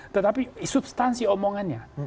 tetapi substansi omongannya